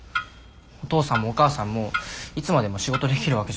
お父さんもお母さんもいつまでも仕事できるわけじゃないし。